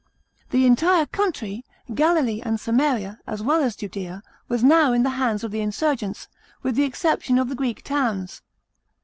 The entire country, Galilee and Samaria, as well as Judea, was now in the hands of the insurgents, with the exception of the Greek towns.